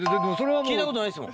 聞いたことないっすもん。